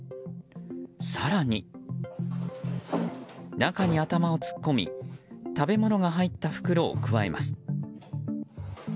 更に、中に頭を突っ込み食べ物が入った袋をくわえます。